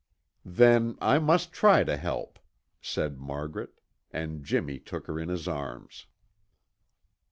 "Then I must try to help," said Margaret, and Jimmy took her in his arms.